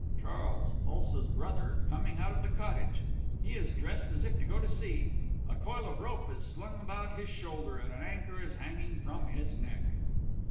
(CHARLES, ULSA'S _brother, coming out of the cottage. He is dressed as if to go to sea; a coil of rope is slung about his shoulder and an anchor is hanging from his neck.